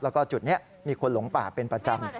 แล้วก็จุดนี้มีคนหลงป่าเป็นประจำ